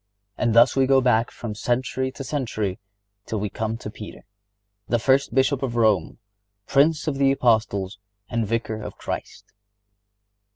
And thus we go back from century to century till we come to Peter, the first Bishop of Rome, Prince of the Apostles and Vicar of Christ.